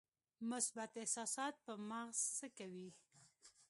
مثبت احساسات په مغز څه کوي؟